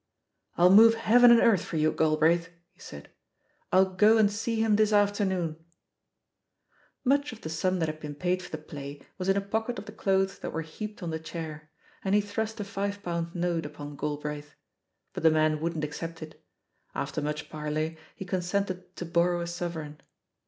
"I'll move heaven and earth for you, Galbraith," he said; "I'll go and see him this afternoon 1" Much of the sum that had been paid for the play was in a pocket of the clothes that were heaped on the chair, and he thrust a five pound note upon Galbraith. But the man wouldn't accept it; after much parley he consented to borrow a sov ereign.